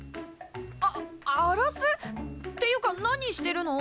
ああらす！？っていうか何してるの？